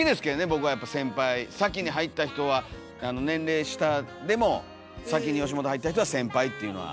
僕はやっぱ先輩先に入った人は年齢下でも先に吉本入った人は先輩っていうのは。